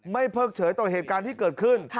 เพิกเฉยต่อเหตุการณ์ที่เกิดขึ้น